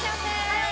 はい！